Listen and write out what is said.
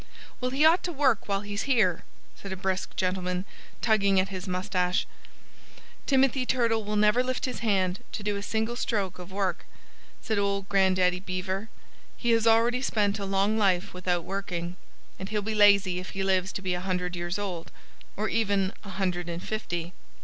"Well, he ought to work while he's here," said a brisk gentleman, tugging at his moustache. "Timothy Turtle will never lift his hand to do a single stroke of work," said old Grandaddy Beaver. "He has already spent a long life without working. And he'll be lazy if he lives to be a hundred years old or even a hundred and fifty."